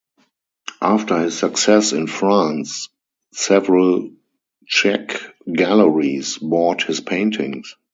After his success in France several Czech galleries bought his paintings.